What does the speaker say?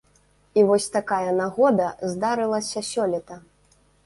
І вось такая нагода здарылася сёлета.